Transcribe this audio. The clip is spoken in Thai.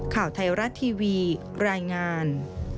ข่าวไทยรัฐทีวีรายงาน